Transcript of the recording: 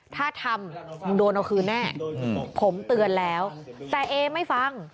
ถ้าทำมึงโดนเอาคืนแน่ผมเตือนแล้วแต่เอไม่ฟัง